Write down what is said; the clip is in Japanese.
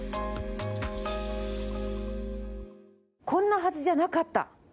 「こんなはずじゃなかった！」